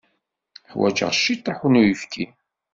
Ḥwajeɣ ciṭṭaḥ n uyefki.